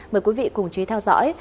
mời quý vị cùng chú ý theo dõi